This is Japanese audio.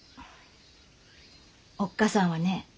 おっ母さんはね